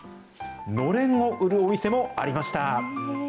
のれんを売るお店もありました。